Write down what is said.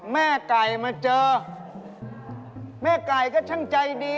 แม่ไก่มาเจอแม่ไก่ก็ช่างใจดี